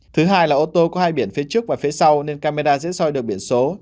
thứ hai là ô tô có hai biển phía trước và phía sau nên camera dễ soi được biển số